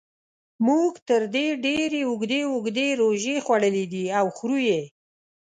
موږ تر دې ډېرې اوږدې اوږدې روژې خوړلې دي او خورو یې.